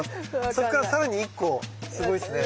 そっから更に１個すごいっすね。